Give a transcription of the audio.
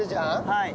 はい。